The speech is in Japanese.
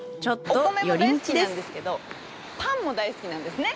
お米も大好きなんですけどパンも大好きなんですね。